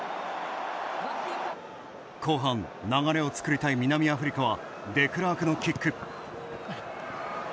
後半、流れを作りたい南アフリカはデクラークのキック。